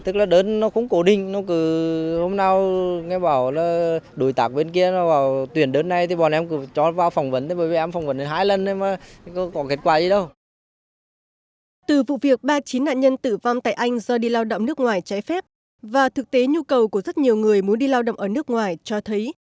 từ vụ việc ba mươi chín nạn nhân tử vong tại anh do đi lao động nước ngoài trái phép và thực tế nhu cầu của rất nhiều người muốn đi lao động ở nước ngoài cho thấy